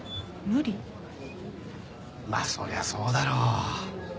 まあそりゃそうだろ。